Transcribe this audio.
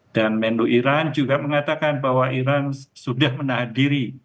dan menu iran juga mengatakan bahwa iran sudah menahan diri